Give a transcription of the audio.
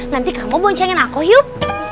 nanti kamu boncengin aku yuk